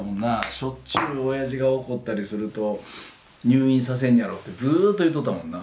しょっちゅうオヤジが怒ったりすると「入院させんにゃろう」ってずっと言っとったもんな。